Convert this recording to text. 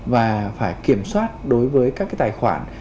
và phải kiểm soát đối với các tài khoản